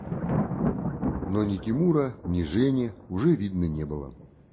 Но ни Тимура, ни Жени уже видно не было.